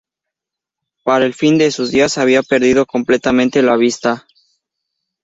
Para el fin de sus días había perdido completamente la vista.